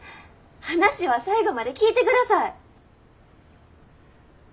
話は最後まで聞いてください。